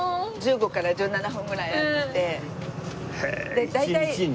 １５から１７本ぐらいあって。